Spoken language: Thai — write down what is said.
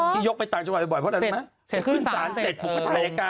พี่ยกไปต่างจังหวัดไปบ่อยเพราะอะไรนะ